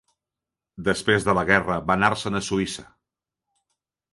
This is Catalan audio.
Després de la guerra va anar-se'n a Suïssa.